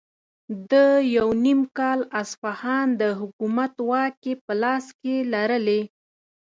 ده یو نیم کال اصفهان د حکومت واکې په خپل لاس کې لرلې.